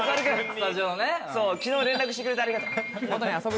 昨日連絡してくれてありがとう。